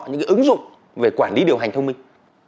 những ứng dụng về quản lý điều hành thông minh